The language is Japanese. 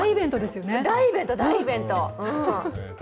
大イベント、大イベント。